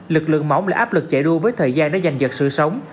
lực lượng mỏng là áp lực chạy đua với thời gian đã dành giật sự sống